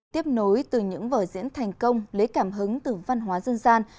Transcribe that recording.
tiếp nối từ những vở diễn thành công lấy cảm hứng từ văn hóa dân gian